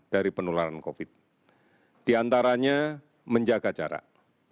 dari penularan covid sembilan belas diantaranya menjaga jarak